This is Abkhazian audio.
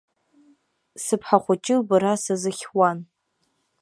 Сыԥҳа хәҷы лбара сазыхьуан.